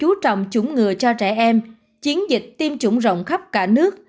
chú trọng chủng ngừa cho trẻ em chiến dịch tiêm chủng rộng khắp cả nước